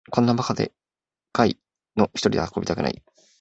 こんなバカでかいのひとりで運びたくない